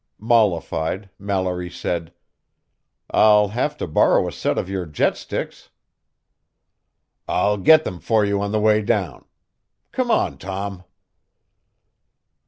Mollified, Mallory said, "I'll have to borrow a set of your jetsticks." "I'll get them for you on the way down. Come on, Tom."